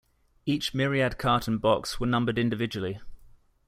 Each Myriad cart and box were numbered individually.